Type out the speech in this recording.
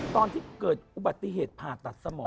ตอนที่เกิดอุบัติเหตุผ่าตัดสมอง